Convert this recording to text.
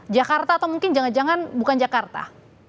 jakarta atau mungkin jangan jangan bukan jakarta